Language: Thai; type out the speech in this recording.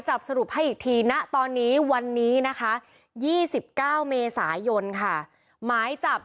สรุปให้อีกทีณตอนนี้วันนี้นะคะ๒๙เมษายนค่ะหมายจับ